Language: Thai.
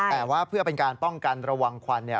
แต่ว่าเพื่อเป็นการป้องกันระวังควันเนี่ย